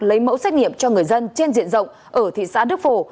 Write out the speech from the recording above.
lấy mẫu xét nghiệm cho người dân trên diện rộng ở thị xã đức phổ